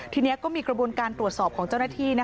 ทีนี้ก็มีกระบวนการตรวจสอบของเจ้าหน้าที่